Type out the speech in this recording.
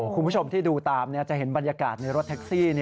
คุณผู้ชมที่ดูตามจะเห็นบรรยากาศในรถแท็กซี่